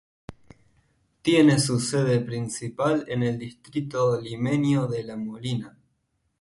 Tiene su sede principal en el distrito limeño de La Molina.